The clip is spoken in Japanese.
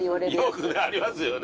よくありますよね。